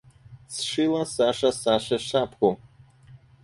Сшила Саша Саше шапку.